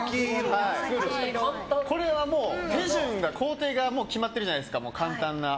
これはもう手順が、工程が決まってるじゃないですか。